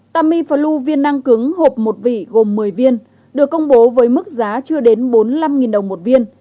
tamiflu viên năng cứng hộp một vỉ gồm một mươi viên được công bố với mức giá chưa đến bốn mươi năm đồng một viên